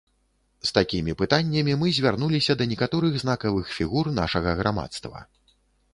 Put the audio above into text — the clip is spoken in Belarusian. З такімі пытаннямі мы звярнуліся да некаторых знакавых фігур нашага грамадства.